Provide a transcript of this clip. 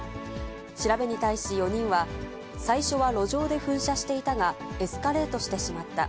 調べに対し、４人は最初は路上で噴射していたが、エスカレートしてしまった。